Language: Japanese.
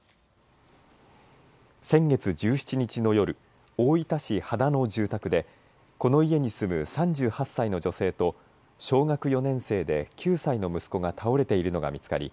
先月、１７日の夜大分市羽田の住宅でこの家に住む３８歳の女性と小学４年生で９歳の息子が倒れているのが見つかり